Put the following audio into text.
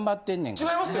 違いますよ